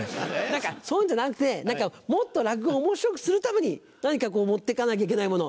何かそういうのじゃなくてもっと落語を面白くするために何か持って行かなきゃいけないもの